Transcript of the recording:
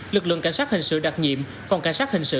lực lượng cảnh sát hình sự đặc nhiệm phòng cảnh sát hình sự